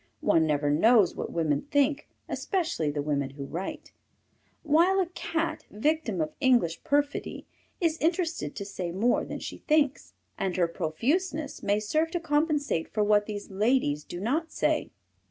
One never knows what women think, especially the women who write, while a Cat, victim of English perfidy, is interested to say more than she thinks, and her profuseness may serve to compensate for what these ladies do not say.